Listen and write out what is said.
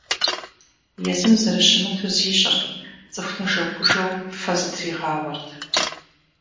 Езым зэрыщымыту зищӀырт, цӀыху нэжэгужэу фэ зытригъауэрт.